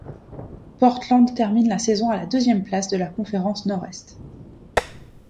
Portland termine la saison à la deuxième place de la Conférence Nord-Est.